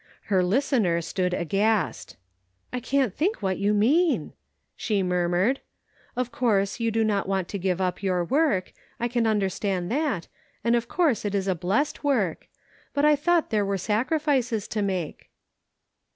Her listener stood aghast.'* " I can't think what you mean," she mur mured. " Of course, you do not want to give up your work. I can understand that, and of course it is a blessed work ; but I thought there were sacrifices to make."